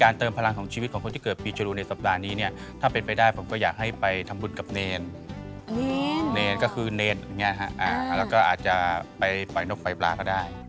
เนรก็คือเนรอย่างนี้ฮะแล้วก็อาจจะไปปล่อยนกไฟปลาก็ได้